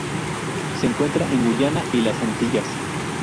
Se encuentra en Guyana y las Antillas.